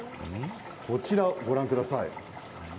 こちらをご覧ください。